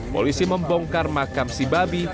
polisi membongkar makam si babi